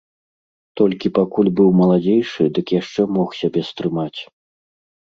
Толькі пакуль быў маладзейшы, дык яшчэ мог сябе стрымаць.